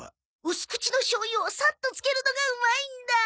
薄口のしょう油をサッとつけるのがうまいんだ。